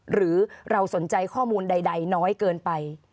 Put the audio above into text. หรือเราสนใจข้อมูลใดน้อยเกินไป